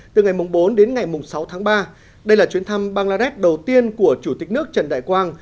từ ngày bốn đến ngày sáu tháng ba đây là chuyến thăm bangladesh đầu tiên của chủ tịch nước trần đại quang